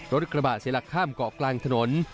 รถกระบะเสียหลักข้ามเกาะกลางถนน